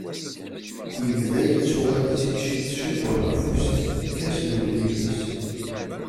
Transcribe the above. Yebda yettuɣal-itt-id ciṭ ciṭ uḥulfu s tfekka-s d uglim-is.